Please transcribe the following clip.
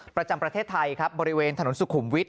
ประจำประเทศไทยครับบริเวณถนนสุขุมวิทย